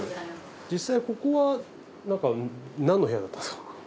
実際ここは何の部屋だったんですか？